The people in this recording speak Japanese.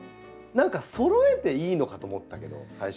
何かそろえていいのかと思ったけど最初は。